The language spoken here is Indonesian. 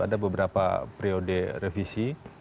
ada beberapa priode revisi